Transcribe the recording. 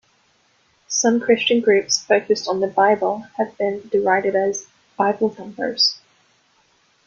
Some Christian groups focused on the Bible have been derided as "Bible thumpers".